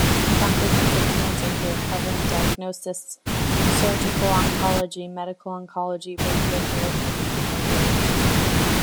Comprehensive cancer care covering diagnosis, surgical oncology, medical oncology, radiotherapy and chemotherapy.